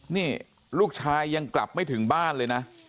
นี่ลูกชายยังกลับไม่ถึงบ้านเลยนะ